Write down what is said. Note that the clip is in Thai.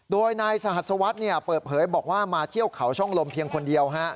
โดยนายสหัสสวัสดิ์เปิดเผยบอกว่ามาเที่ยวเขาช่องลมเพียงคนเดียว